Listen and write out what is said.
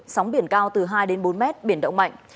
sóng biển cao từ hai đến bốn mét biển động mạnh